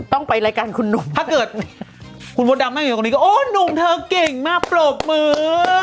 ต้องไปรายการคุณหนุ่มถ้าเกิดคุณมดดำนั่งอยู่ตรงนี้ก็โอ้หนุ่มเธอเก่งมากปรบมือ